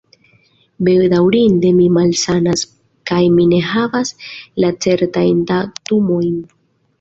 Bedaŭrinde mi malsanas, kaj mi ne havas la certajn datumojn.